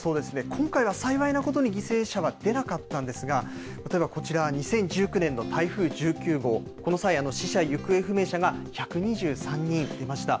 今回は幸いなことに犠牲者は出なかったんですが、例えばこちら、２０１９年の台風１９号、この際、死者・行方不明者が１２３人出ました。